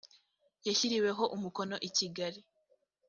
yashyiriweho umukono i kigali